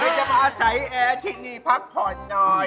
จะมาอาศัยแอร์ที่นี่พักผ่อนหน่อย